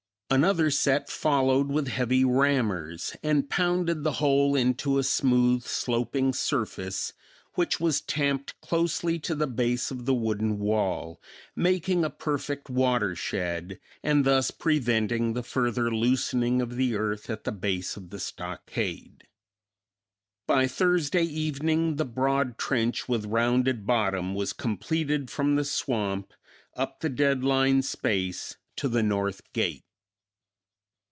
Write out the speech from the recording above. Another set followed with heavy rammers and pounded the whole into a smooth, sloping surface which was tamped closely to the base of the wooden wall, making a perfect watershed, and thus preventing the further loosening of the earth at the base of the stockade. By Thursday evening the broad trench with rounded bottom was completed from the swamp up the dead line space to the north gate.